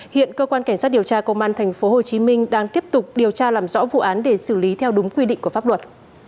hiện cơ quan cảnh sát điều tra công an tp hcm đang tiếp tục điều tra làm rõ vụ án để xử lý theo đúng quy định của pháp luật